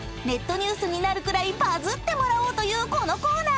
ニュースになるぐらいバズってもらおうというこのコーナー。